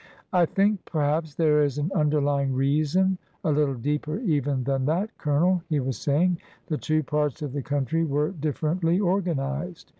'' I think perhaps there is an underlying reason a little deeper even than that, Colonel," he was saying. The two parts of the country were differently organized.